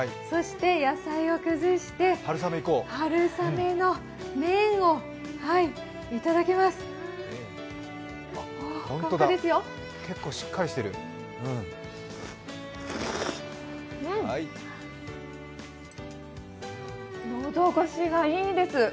そして、野菜を崩して春雨の麺をいただきます。